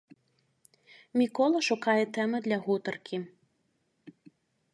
Мікола шукае тэмы для гутаркі.